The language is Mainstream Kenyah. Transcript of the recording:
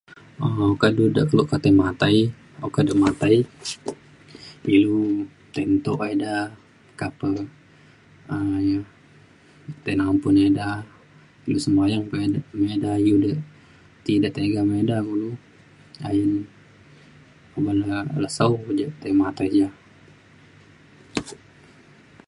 um kado de kelo ka ti ei matai oka du matai ilu tai nto ida meka pe um iu tei nampun ida ilu sebayang pe me ida iu de ti ja tiga me ida kulu. ayen oban le lesau je tai matai je